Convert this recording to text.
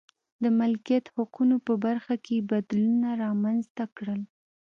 د مالکیت حقونو په برخه کې یې بدلونونه رامنځته کړل.